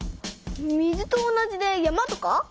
水と同じで山とか？